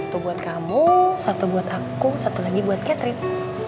satu buat kamu satu buat aku satu lagi buat catherine